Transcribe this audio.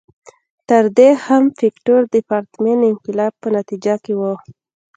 تر دې هم مهم فکټور د پرتمین انقلاب په نتیجه کې و.